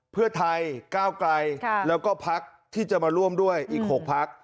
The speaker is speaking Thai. เพื่อไทยก้าวไกลแล้วก็พักที่จะมาร่วมด้วยอีก๖พัก